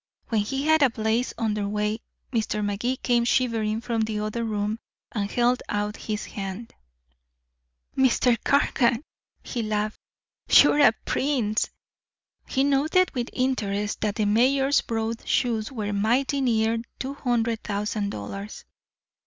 When he had a blaze under way, Mr. Magee came shivering from the other room and held out his hand. "Mr. Cargan," he laughed, "you're a prince." He noted with interest that the mayor's broad shoes were mighty near two hundred thousand, dollars.